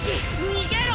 逃げろ！